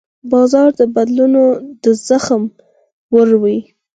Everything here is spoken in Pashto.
بازار د بدلونونو د زغم وړ وي.